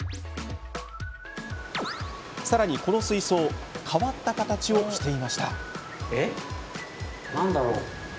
さらに、この水槽変わった形をしていました。